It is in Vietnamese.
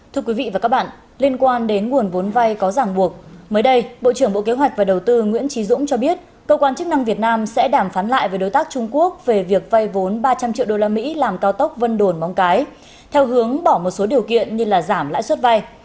thưa quý vị và các bạn liên quan đến nguồn vốn vay có giảng buộc mới đây bộ trưởng bộ kế hoạch và đầu tư nguyễn trí dũng cho biết cơ quan chức năng việt nam sẽ đàm phán lại với đối tác trung quốc về việc vay vốn ba trăm linh triệu usd làm cao tốc vân đồn móng cái theo hướng bỏ một số điều kiện như giảm lãi suất vai